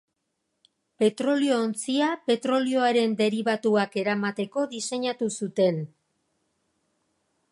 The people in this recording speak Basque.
Petrolio-ontzia petrolioaren deribatuak eramateko diseinatu zuten.